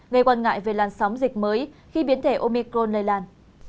về quan ngại về làn sóng dịch mới khi biến thể omicron lây lan